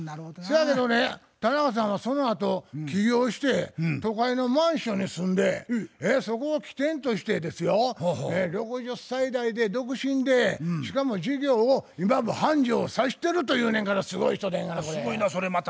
そやけどね田中さんはそのあと起業して都会のマンションに住んでそこを起点としてですよ６０歳代で独身でしかも事業を今も繁盛さしてるというねんからすごい人でんがなこれ。